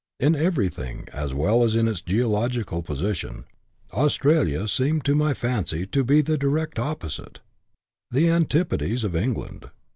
In everything, as well as in its geographical position, Aus tralia seemed to my fancy to be the direct opposite — the antipodes of England.